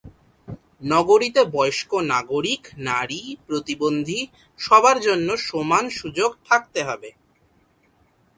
নগরীতে বয়স্ক নাগরিক, নারী, প্রতিবন্ধী সবার জন্য সমান সুযোগ থাকতে হবে।